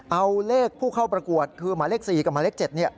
เอาเลขผู้เข้าประกวดคือหมายเลข๔กับหมายเลข๗